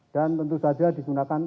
dan tentu saja digunakan